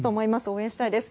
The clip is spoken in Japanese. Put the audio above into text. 応援したいです。